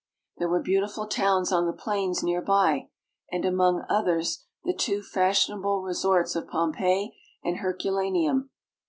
There were beautiful towns on the plains near by, and, among others, the two fashionable resorts of Pompeii and Herculaneum.